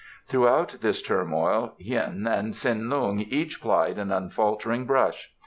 Throughout this turmoil Hien and Tsin Lung each plied an unfaltering brush.